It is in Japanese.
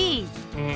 うん！